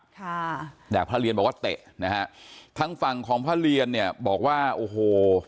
ค่ะแต่พระเรียนบอกว่าเตะนะฮะทางฝั่งของพระเรียนเนี่ยบอกว่าโอ้โห